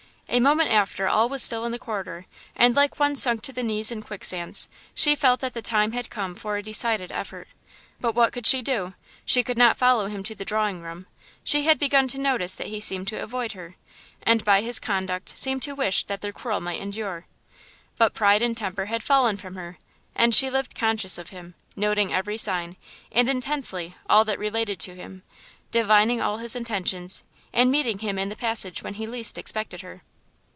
A moment after all was still in the corridor, and like one sunk to the knees in quicksands she felt that the time had come for a decided effort. But what could she do? She could not follow him to the drawing room. She had begun to notice that he seemed to avoid her, and by his conduct seemed to wish that their quarrel might endure. But pride and temper had fallen from her, and she lived conscious of him, noting every sign, and intensely, all that related to him, divining all his intentions, and meeting him in the passage when he least expected her.